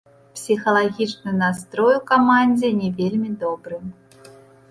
Псіхалагічны настрой у камандзе не вельмі добры.